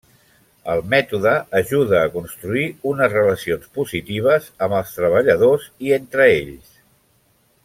El mètode ajuda a construir unes relacions positives amb els treballadors i entre ells.